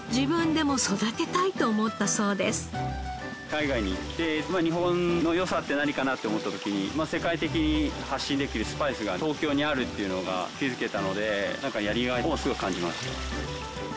海外に行って日本の良さって何かなって思った時に世界的に発信できるスパイスが東京にあるっていうのが気づけたのでなんかやりがいをすごい感じました。